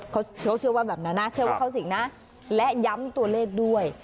เขาเชื่อว่าแบบนั้นนะเชื่อว่าเข้าสิงนะและย้ำตัวเลขด้วย